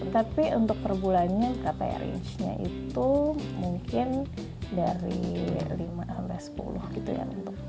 tapi untuk perbulannya kpa range nya itu mungkin dari lima sampai sepuluh gitu ya